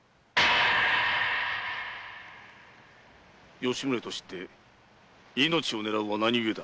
吉宗と知って命を狙うは何ゆえだ？